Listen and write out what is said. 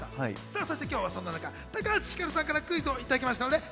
今日、そんな中、高橋ひかるさんからクイズをいただきました。